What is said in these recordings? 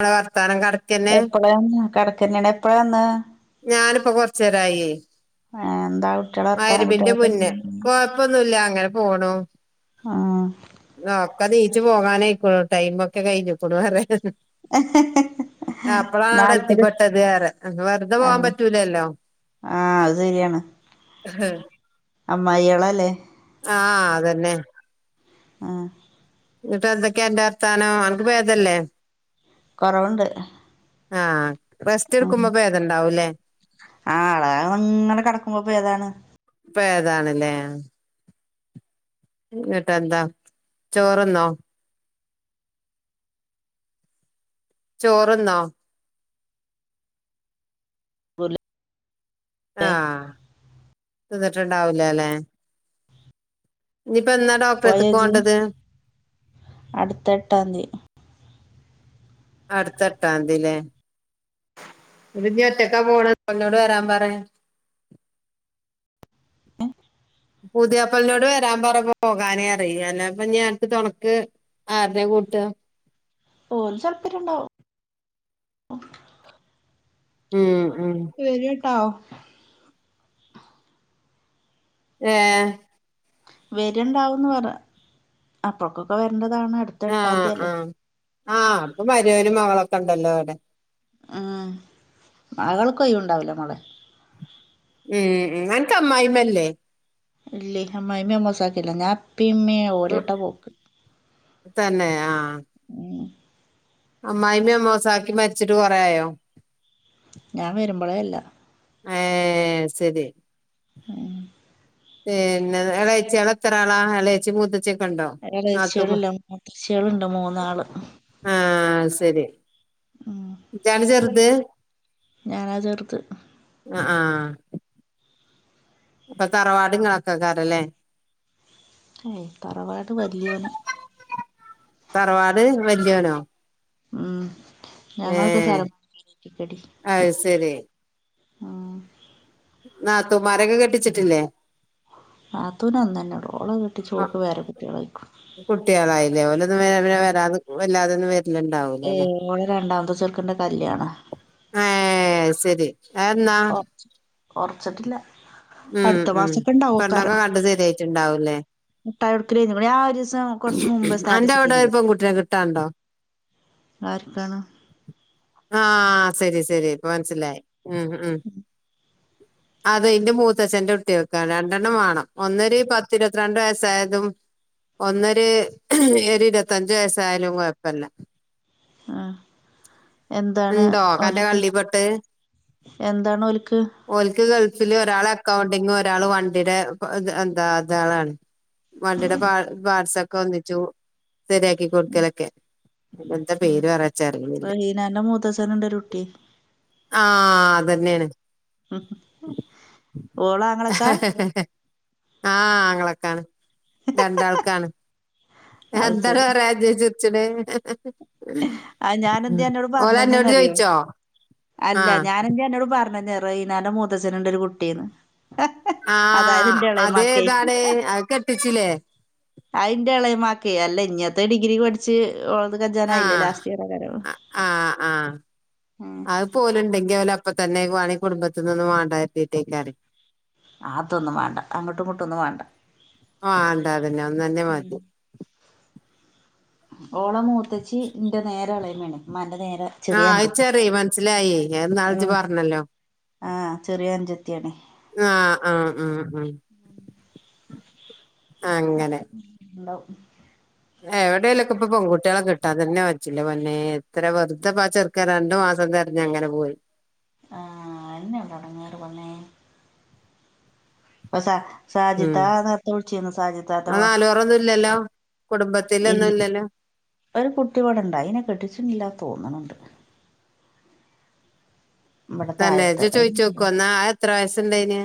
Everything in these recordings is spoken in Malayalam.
മ്മളെ വർത്താനം കടക്കന്നെ എപ്പഴാന്ന് കിടക്കന്നാണ് എപ്പഴാന്ന് ഞാനിപ്പോ കൊറച്ചേരായേ ങാ എന്താ കുട്ട്യാളെ വർത്താനം മാരിബിന്റെ കുട്ട്യാളൊക്കെ മുന്നേ എങ്ങനെണ്ട് കൊഴപ്പൊന്നുല്ല അങ്ങനെ പോണു ആഹ് ഒക്കെ നീച്ചു പോകാനായിക്കുണു ടൈമൊക്കെ കഴിഞ്ഞുക്കുണു ന്ന് പറയ ഏഹ് ഹ് ഹ് ഹ് അപ്പളാ അവടെ എത്തിപ്പെട്ടത് ഏറെ വെറുതെ പോവാ ആഹ് പറ്റൂലല്ലോ ആഹ് അത് സെരിയാണ് അമ്മായിയളലേ ആഹ് അതന്നെ ആഹ് ന്ന്ട്ട് എന്തൊക്കെ അന്റെ വർത്താനോ അ കൊറവോണ്ട് ആഹ് റെസ്റ്റ് എടുക്കുമ്പോ ഭേദണ്ടാവൂല്ലേ ആ ആളകാതെങ്ങെനെ കടക്കുമ്പോപ്പോ ഏതാണ് പ്പ ഏതാണല്ലേ ന്ന്ട്ടെന്താ ചോറ്ന്നോ ചോറ്ന്നോ? ല്ലേ ആഹ് തിന്ന്ട്ട്ണ്ടാവൂലല്ലെ ഇനിപ്പ എന്നാ പോയോ ഡോക്ടറടുത്തക്കു ഇജ്ജ് പോണ്ടത് അടുത്ത എട്ടാംതി അടുത്തെട്ടാംതി അല്ലേ [unintelligible] ഒറ്റക്കാ പോണ ഓനോട് വരാൻ പറയ് പുതിയാപ്പള്ളനോട് വരാൻ പറ പോകാ നേ പറയ് അല്ലപ്പ അനക്ക് തൊണക്ക് ആരനേ കുട്ട്കാ ഓൽ [unintelligible] ഉം ഉം നീ വരുട്ടോ ഏഹ് വരുണ്ടാവന്ന് പറ അപ്പഴക്കൊക്കെ വരണ്ടതാണ് അടുത്ത ആഹ് എട്ടാംതിയല്ലേ ആഹ് ആഹ് അവർക്ക് മരോനും മകളൊക്കെ ഒണ്ടല്ലോ അവടെ ഉം മകൾക്ക [unintelligible] ഉണ്ടാവൂല മോളെ ഉം നിൻക്ക് അമ്മായിമ്മ ഇല്ലേ ഇല്ലേ അമ്മായിയാമ്മേ മോസക്കില ഞാൻ ഉപ്പീം ഉമ്മീം ഓരട്ട പോക്ക് ഉം അമ്മായിമ്മയും [unintelligible] മരിച്ചിട്ട് കൊറയായോ ഞാൻ വരുമ്പൊയേ അല്ല ഏഹ് സെതി ഉം [unintelligible] ന്നെ എളേച്യ ളെത്ര ആളാ ഏളച്ചി മൂത്തച്ചിക്ക് കണ്ടൊ ആഹ് നാത്തൂന്മാര് എളേച്ചികളില്ല മൂത്തച്ചികളുണ്ട് മൂന്നാള് ആഹ് സരി ശരി ജന ചേറത് ഞാനാ ചേർത്ത് ആ ആഹ ഇപ്പൊ കറവാടങ്ങളൊക്കെ കറല്ലേ ഏയ് തറവാട് വല്യോന് പററവാത് വല്ിയോണോ ഉം ഞങ്ങൾക്ക് സ്ഥലംിക്കടി അത് ശരി ആഹ ആ തമാരക കെട്ടിച്ചിട്ടില്ലേ ആത്തന അന്ന തന്നെ ഉട ആ കുട്ട്യാളായില്ലേ ഓലൊന്നും പി വരാതെ വല്ലാതെന്നും വര് ഏ ഓടെ രണ്ടാമത് ചെർക്കണ്ട കല്യാണ ആഹ ശരി ആന്താ ഒറച്ച് ഒറച്ചിട്ടില്ല ഉം അടുത്ത ഉം മാസൊക്കെ പെണ്ടൊക്കെ ഇണ്ടാവോക്കാരം കണ്ട് ശെരിായിട്ടുണ്ടാവൂല്ലേ മുട്ടായി കൊടുക്കലേഞ്ഞ് ഇവിടെ ആ ഒരീസം കൊറച്ച് മുമ്പ് എന്റെ സ്റ്റാറ്റസ് അവിടെ ഇട്ടീന്നില്ലേ പൺകുട്ടെ കിട്ടാണ്ടോ ആർക്കാണ് ആഹ ശരി ശ ശരി ഇപ്പ മനസിലായി ഉ ഉ അത ഇന്റെ മൂത്തച്ഛറെ കുട്ടി വെക്കാ രണ്ടെണ്ണം വേണം ഒന്നര് പത്തി ഇരുപത്തിരണ്ട് വയസ്സായതും ഒന്നര് ഒരു ഇരുപത്തഞ്ച വയസായാലും കൊഴപ്പില്ല ആഹ് എന്താണ് ഉണ്ടോ കന്റെ ഓല്ക്ക് കള്ളിപൊട്ട് എന്താണ് ഓല്ക്ക് ഓല്ക്ക് ഗൾഫില് ഒരാളെ- ക്കൗണ്ടിംഗ് ഒരാള് വണ്ടിടേ [unintelligible] എന്താ [unintelligible] ആളാണ് വണ്ടിടേ പാ പാർട്സ ഒക്കെ ഒന്നിച്ചു ശരിയാക്കി കൊടുക്കലൊക്കെ എന്താ പേര് വച്ചറിയുന്നില്ല എന്റെ മൂത്തച്ഛന് ഉണ്ട് ഒരു കുട്ടി തന്നെയാണ് ഉ ഓള അങ്ങളൊക്കാ ആഹ ങ്ങളൊക്കൊണ് രണ്ടാൾക്കാണ് അത് എന്താണ് ശരി വേറെജച്ച അത് ഞാനെന്തേ അന്നോട് ഓലെ എന്നോട് പറഞ്ഞന്നേന്നറിയോ ചോയിിച്ചോ അല്ല ഞാനും ചേട്ടനോട് പറഞ്ഞ് [unintelligible] മൂത്തച്ഛന് ഉണ്ട് ഒരു കുട്ടീന്ന് ആ അതായത് ഇന്റെ എളേമാക്കേ അതേതാണ് അത് കെട്ടിച്ചില്ലേ അതിന്റെ ഇളയമാക്ക അല്ല ഇങ്ങത്തെ ഡിഗ്രി പഠിച്ചച്ച് [unintelligible] ആഹ് ലാസ്റ്റ് ഇയർ [unintelligible] ആഹ് ആഹ് അത് പോല ഉണ്ടെങ്കി അവല അപ്പ തന്നെണ കുടുംബത്തി നിൊന്നും വേണ്ടട്ടീട്ടേക്കാണ ആ അതൊന്നും വേണ്ട അങ്ങോട്ടും ഇങ്ങോട്ടുംൊന്നും വേണ്ട ആഹ അണ്ടാ അതന്നെ ഒന്ന് തന്നെ ഉം മതി ഓള മുൂത്തച്ചച്ച് എൻ്റെ നേരെ അളയ വേ മല്ല നേര അഹ് അത് ചെറി മനസ്സിലായി ഇന്നാള് ഇജ്ജ് ഉം പറഞ്ഞല്ലോ ആ ചെറിയ അനുജത്തിയാണ് ആഹ ആഹ ഉഹ ഉ അങ്ങനെ ഉണ്ടാവും എവിടെലൊക്ക ഇപ്പ പെൺകുട്ട്യാളെ കിട്ടാതന്നേ വജ്ജ്ല്ലാ പൊന്നെ എത്ര വെറുതെപ്പാ ചെറ്ക്കൻ ര രണ്ടു മാസം തിരഞ്ഞഞ് അങ്ങനെ പോയി ആഹ എന്നെ ഇവിട അവിടെങ്ങറ്പന്നേ അ സ ഉം സാജിത്താ അത്ത ഉഴിച്ചിന്ന് അത് സാജിത്തത്തക്ക നാലുപൊറൊന്നും ഇല്ലല്ലോ കുടുംബത്തിലൊന്നും ഇല്ലല്ലോ ഒരു കുട്ടി വടെണ്ട അയിനെ കെട്ടിച്ചിില്ലാ തോന്നണുണ്ട് ഇവിടെ തന്നെ താഴത്ത് ജ്ജ് ചോയിച്ചോക്കു എന്നാ എത്ര വയസ് ഇണ്ടേന്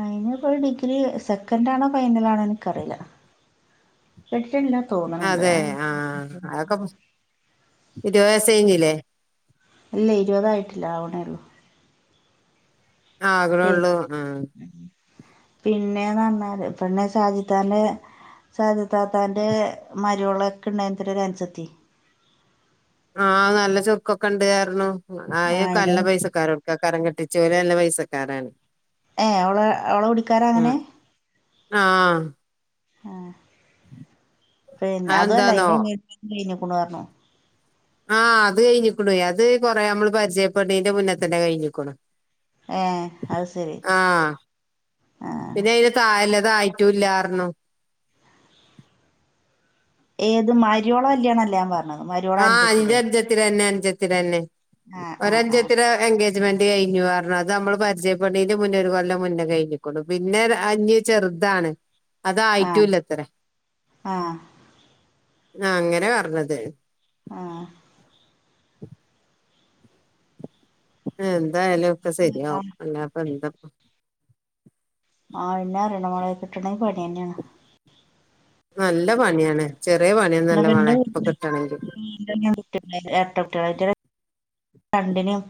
അയിനിപ്പോൊ ഡിഗ്രി സെക്കൻഡ ആണോ ഫൈനൽ ആണോ എനിക്കറില്ല എടട്ടണ്ട അതെ ആഹ അതൊക്കെ ഇരു വയസഞ്ഞില്ലേ അല്ല ഇരുപതായിട്ടില്ല ആവണേള്ളു ആകണൊള്ളൂ ആഹ് പിന്നെന്ന് പറഞ്ഞാല്െന്നെ ഷാജിദാന്റെ സാധ്യത്താത്തൻന്റെ മരിവള ഒക്കെ ഉണ്ടതി ഒരുനുസത്തി ആഹ നല്ല ചുക്കൊക്കെ ഉണ്ട് കാരരുന്നു ആഹ് ആയക്കെ അയിന്റെ നല്ല പൈസക്കൊരക്ക കരം കെട്ടി ച്ചരെ നല്ല പൈസക്കാരാണ് ഏ അവള് അവള കുടിക്കാര് അങ്ങനെ ആഹ ആ പി അതല്ല അതെന്താന്നോ അറെ എങ്ങ കക്കണ് പറണോ ആഹ് അത് കഴിഞ്ഞിക്കണേ അത് കൊറെ നമ്മള് പരിചയപ്പെടീന്റെ മുന്ന തന്നെ കഴിഞ്ഞിക്കണു ഏ അത് ശരി ആഹ ആ പിന്നെ അയിന് തഴല്ല അതായിട്ടും ഇല്ലാരനോ ഏത് മരിയോള കല്യാണ അല്ലേ പറ ആഹ അഞ്ച അഞ്ചത്തിര തന്നെ അഞ്ചത്തിര തന്നെ ആ ഒ ആ ആ അഞ്ചത്തിര എേജ കഴിഞ്ഞഞ് പറണം അത് നമ്മൾ പരിചയപ്പെട മുന്ന ഒരു കൊല്ലം മുന്ന കഴിഞ്ഞ പിന്നെ അഞ് ചെറു ഇതാണ് ആ അതായിട്ടും ഇല്ലത്രേ ആ ആ അങ്ങനെ പറഞ്ഞത് ആ [inaudible] എന്തായാലും ഒക്കെ ആ ശരിയാവും അല്ലപ്പ എന്താ ആ പിന്നെ അറണമള കിട്ടണെങ്കിൽ പണി തന്നെയാണ് നല്ല പണിയാണ് ചെറിയ പണിയൊന്നല്ല മോളെ ഇപ്പൊ കിട്ടണെങ്കിൽ [unintelligible] എരട്ട കുട്ട്യാള് അയിറ്റ രണ്ടിനും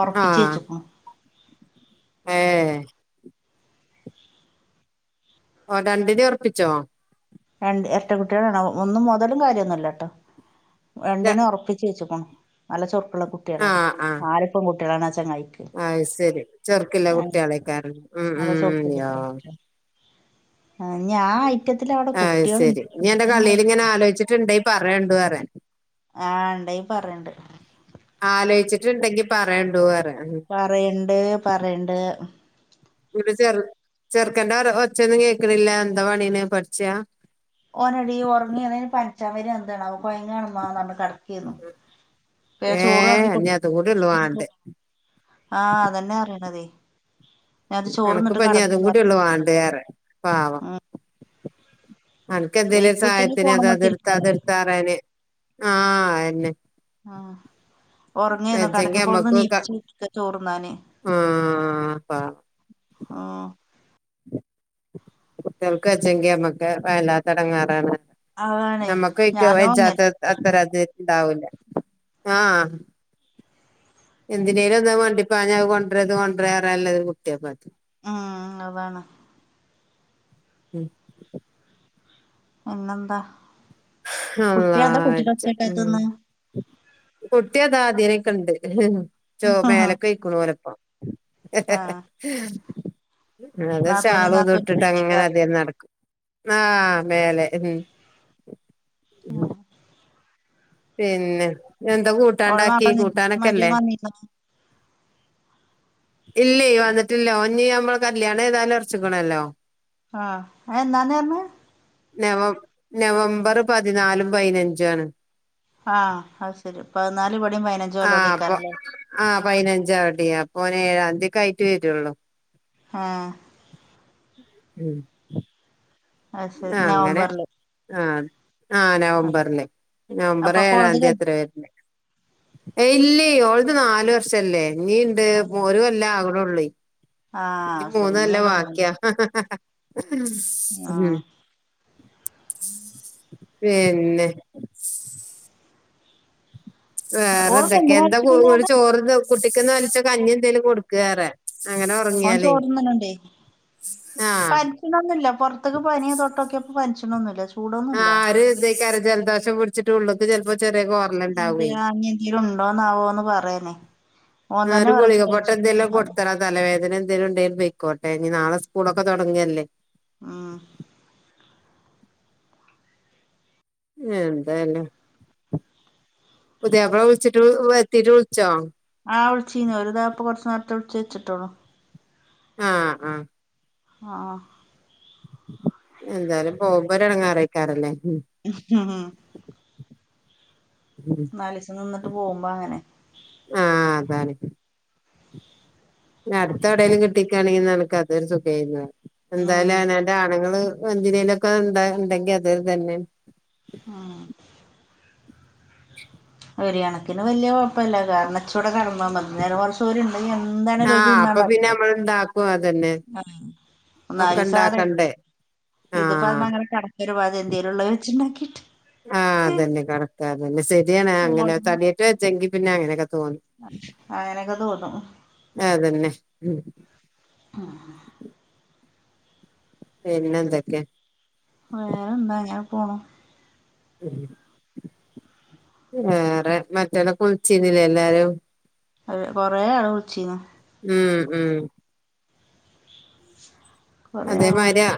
ഒറപ്പിച്ചു ആഹ് വെച്ചക്കുണ് ഏഹ് ഓ രണ്ടിനെ ഉറപ്പിച്ചോ രണ്ട് എരട്ട കുട്ടികളാണ് ഒന്നും മുതലും കാര്യമൊന്നുമല്ലട്ടോ രണ്ടിനും ഉറപ്പിച്ച് വെച്ചുക്കണു നല്ല ചോറുക്കുള്ള കുട്ടികളാണ് നാല് പെൺ കുട്ടികളാണ് ആ ചെങ്ങായിക്ക് ആ ശരി ചെറുക്കില്ല കുട്ടികൾ ഐക്കാരം ഉ ഉോ നല്ല യോ ഇഞ്ഞി ആ ഐറ്റത്തിലവടെ അ ശരി എൻന്റെ കളിയിൽ ഇങ്ങനെ ആലോചിച്ചിട്ടുണ്ട പറയേണ്ട ആഹ് ഇണ്ടെങ്കിപറേണ്ട് ഇജ്ജ് ണ്ടെങ്കിൽ പറയേണ്ടൂ വെറെ പറയണ്ട് പറയണ്ട് ചെറുക്കണ്ട ഒച്ചന്നും കേക്കണില്ല എന്താ പണി പഠിച്ചാ ഓനടി ഉറങ്ങിന് പനിച്ചാവര എന്താന്നാ വോ കൊയങ്ങണ്ഇമ്മാന്ന് പറഞ് കടക്കെര്ന്നു പിന്നെ ചോറ് ഏഹ് വെളമ്പി കൊട് ഇനി അതും കൂടി ഉള്ളു വാണ്ടേ [unintelligible] ആഹ് അതെന്നെ പറീണേ നിനക്കിപ്പോ അതു പറഞ്ഞു കൂടിയുള്ളൂ വേണ്ടിയത് ഉം അനക്ക് എന്തേലും ഒരു വെയ്ക്കുച്ചെങ്കി സഹായത്തിന് അത് ഫോണുമ്മക്ക് ഇരിക്കണതാണ് അതെടുത്തഅത്ടുത്താറയാന് ആഹ് അ യെന്നെ ആഹ് ഉറങ്ങേന്നു വച്ചെങ്കി കടന്നപ്പോ അവിടുന്ന് നമുക്കൊക്ക നീപ്പിച്ച് വിട്ടക്ക ചോറുന്നാന് [unintelligible] ആഹ് കുട്ടികൾക്ക് വച്ചെങ്കി നമ്മക്ക് വല്ലാത്തടങ്ങാറാണ് അതാണേ നമ്മക്കയ്ക്ക് ഞാനും വജാത്ത അങ്ങനെ ആ [unintelligible] ഉണ്ടാവൂല്ല ആഹ് എന്തിനേലും എന്താ വണ്ടിപ്പാനാ കൊട്രത് കൊട്രറല്ലത് കുട്ടിയപ്പാകി ഉം അതാണ് ഉം ഇന്നെന്താ അള്ളാ വെജ് മൂ കുട്ടി അതാ ഇതിലേക്ക് ഇണ്ട് മേലെക്ക് പോയിക്കണ് ഓലപ്പാ ആഹ് [unintelligible] അത് നാത്തൂനും ഷാളും അതും നാത്തൂനും ഇട്ടിട്ട് അങ്ങനെ അതിയേ നടക്കും ആ മേലെ ഉം ഉം ആഹ പിന്നെ എന്താ കൂട്ടാൻ ഓള് മാപ്പള ഉണ്ടാക്കിയെ നിന്നു മരുമോൻ കൂട്ടാനകല്ലേ വന്നിരുന്നോ ഇല്ല വന്നിട്ടില്ലോ ഓന് കല്യാണം ഏതാലും ഉറച്ചിക്കണല്ലോ ആഹ എന്നന്താന്നന്ന് നവം നവംബർപതിനാലും പതിനഞ്ചു ആണ് ആ അത് ശരി പതിനാലാം ഇവിടെയും പതിനഞ്ചു അവിടെയും ആഹ് പതിനഞ്ചാഡിയ അപ്പൊന് ഏഴാം തിയൊക്കെ ആയിറ്റ് വരുള്ളൂ ആ ഉം അത് സേ നവംബറ്ല് ആഹ് നവംബറില് നവംബർ അപ്പൊക്ക് ഓളത് കഴിഞ്ഞോ ഏഴാംതിയത്ര വര്ണ് എ ഇല്ലേ ഓൾടെ നാലു വർഷല്ലേ ഇനീ ണ്ട് ആഹ് ഒരു കൊല്ലം ആവനുള്ളെ ഇനി ആഹ് ശരി മൂന്നും എല്ലാം ഇഞ്ഞിണ്ട് ബാക്കിയാ മൂന്ന് മൂ ആഹ് പിന്നെ വേറെ ഓൾക്ക് എന്തൊക്കെ എന്തിനാ എന്താ പനിച്ചിക്കണേന്ന് ഒരു പറഞ്ഞെ ചോറ് കുട്ടിക്കന്നലിച്ച കഞ്ഞി എന്തേലും കൊടുക്ക് വേറെ ഓൻ ചോറ്ന്ന്ണ് ണ്ടേ ആഹ് പനിച്ണൊന്നുല്ല പൊറത്തേക്ക് പനി തൊട്ടൊക്കിട്ട് പനിച്ച്ണൊന്നുല്ല ആ ആര് ഇതെയ്ക്കാരം ജലദോഷം പിടിച്ചിട്ട് ഉള്ളക്ക് ചെലപ്പോ- ചെറിയ എന്ത കോറല്ണ്ടാവേ അങ്ങ എന്തേങ്കിലും ഉണ്ടോന്നാവോന്ന് പറയാനെ ആ ഗുളിക പൊട്ടൻ എന്തെങ്കിലും കൊടുത്താൽ തലവേദന എന്തെങ്കിലുമുണ്ടെങ്കിൽ പൊയ്ക്കോട്ടെ ഇനി നാളെ സ്കൂളൊക്കെ തുടങ്ങിയല്ലേ മൂ എന്തായാലും പുതിയാപ്ല വിളിച്ചിട്ട് വത്തിീട്ട് വിളിച്ചോ ആ വിളിച്ചിരുന്നു ഓല് കുറച്ചു നേരത്തെ വിളിച്ചു വെച്ചിട്ടുള്ള ആ ആ അ ആ എന്തായാലും പോകുമ്പോൾ എടങ്ങാ ആയിരിക്കും ല്ലേ ആഹഹ നാലിസം നിന്നിട്ട് പോകുമ്പോൾ അങ്ങനെ ആഹ് അതാണ് അടുത്ത എടേലും കിട്ടിക്കുകയാണെങ്കിൽ നിനക്ക് അതൊരു സുഖമായി ഉം എന്തായാലും അവനോന്റെ ആണുങ്ങൾ എന്തിനൊക്കെ ഉണ്ട് ഉണ്ടെങ്കിൽ അത് തന്നെ ഉം [inaudible] ഒരുകണക്കിന് വലിയ കുഴപ്പമില്ല കാരണം ഇച്ചിവിടെ കടന്നാൽ മതി നേരെമറിച്ച് [unintelligible] അതിനി എന്താണേലും അത് ആഹ് അപ്പൊ പിന്നെ നടക്കും നമ്മൾ ഇണ്ടാക്കും അതന്നെ ആ ഒക്കെ നാലീ സാധ ഇണ്ടാക്കണ്ടേ ഇതിപ്പ ആഹ് അങ്ങനെ കിടക്കരു തെന്തേലും ഉള്ളത് വെച്ചിണ്ടാക്കി ആഹ് അതന്നെ കറക്റ്റാ അതന്നെ സെരിയാണ് അങ്ങനെ തടിയേറ്റ് വെജ്ജെങ്കി പിന്നെ അങ്ങനെ തോന്നി അങ്ങനൊക്കെ തോന്നും ആ അതന്നെ മൂ ആഹ പിന്നെ എന്തൊക്കെ വേറെ എന്താ ഇങ്ങനെ പോണു [unintelligible] വേറെ മറ്റെല്ല കുളിച്ചിുന്നില്ല എല്ലാരും അത് കൊറേ ആള് വിളിച്ചിന്നു ഉം ഉം കൊറേ ആളോച്ചി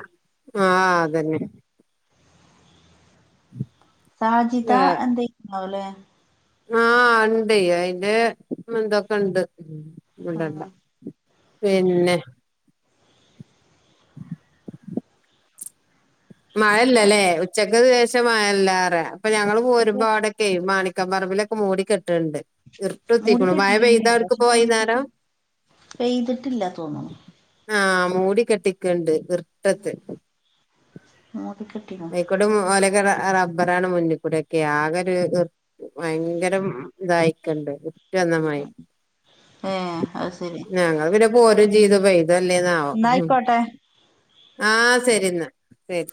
ആഹ അതന്നെ സാജിതാ എന്ത്‌ ചെയ്യുന്നവോലേ ആഹ് ണ്ട് അയിന്റെ എന്ത ഫ്രണ്ട് മി ണ്ടണ്ട പിന്നെ മഴല്ലല്ലേ ഉച്ചക്ക് ശേഷം മഴല്ലാറ അപ്പൊ ഞങ്ങൾ പോരുമ്പോ ഉം അവിടൊക്കെ മാണി- പറമ്പിലൊക്കെ മൂടി കെട്ട്ണ്ട് ഇർട്ട് കുത്തിക്കുണു മയ പെയ്താ മൂടിക്കെട്ടിക്കന്നെയാണ് അവട്ക്ക് പക്ഷെ പെയ്തിട്ട് പോയിന്നേരം പെയ്തിട്ടില്ല തോന്നുന്നു ആഹ് മൂടി കെട്ടിക്ക്ണ്ട് ഇർട്ടത്ത് [unintelligible] ആയിക്കൂടെ മലക്കെ റബ്ബറാണ് മുന്നിക്കൂടെ ഒക്കെ ആകെ ഒരു ഭയങ്കരം ഇതായിക്കല്ലോ ഏഹ് [unintelligible] അത് ശരി ഞങ്ങള് പിന്നെ പോരും ഉം ചീതു പെയ്തോ ഇല്ലെന്നാവോ ന്നാ [inaudible] ആ ശരിെന്നാ ശരി